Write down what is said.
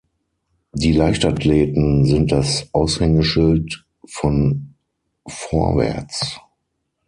Die Leichtathleten sind das Aushängeschild von Vorwärts.